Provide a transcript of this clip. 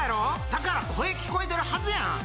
だから声聞こえてるはずやん！